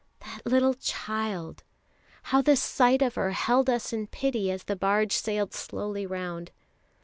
That little child! How the sight of her held us in pity as the barge sailed slowly round.